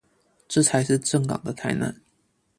這才是正港的台南